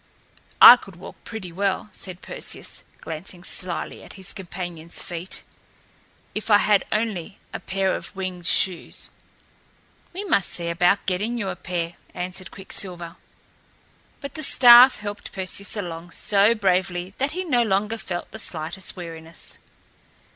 "I could walk pretty well," said Perseus, glancing slyly at his companion's feet, "if I had only a pair of winged shoes." "We must see about getting you a pair," answered Quicksilver. But the staff helped Perseus along so bravely that he no longer felt the slightest weariness.